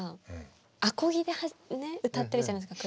アコギでね歌ってるじゃないですか